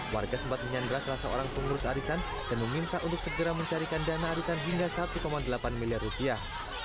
warga sempat menyandra salah seorang pengurus arisan dan meminta untuk segera mencarikan dana arisan hingga satu delapan miliar rupiah